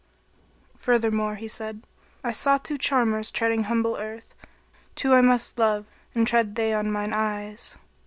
[FN#20]" Furthermore he said, "I saw two charmers treading humble earth. * Two I must love an tread they on mine eyes."